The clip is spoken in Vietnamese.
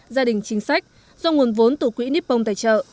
gia đình chính sách do nguồn vốn từ quỹ nippon tài trợ